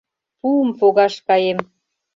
Пуым погаш каем.